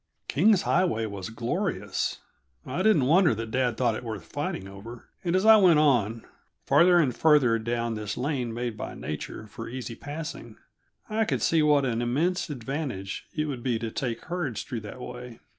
King's Highway was glorious; I didn't wonder that dad thought it worth fighting over, and as I went on, farther and farther down this lane made by nature for easy passing, I could see what an immense advantage it would be to take herds through that way.